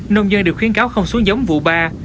nông dân được khuyến cáo không xuống giống cây